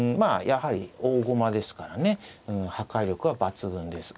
やはり大駒ですからね破壊力は抜群です。